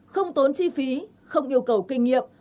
không tốn chi phí không yêu cầu kinh nghiệm